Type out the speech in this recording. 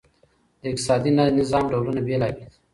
د اقتصادي نظام ډولونه بېلابیل دي.